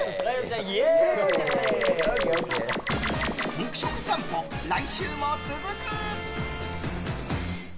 肉食さんぽ、来週も続く！